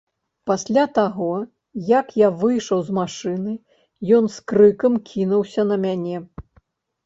Пасля таго, як я выйшаў з машыны, ён з крыкам кінуўся на мяне.